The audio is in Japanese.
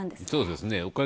そうですね。